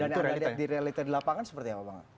dan ada di realitanya di lapangan seperti apa bang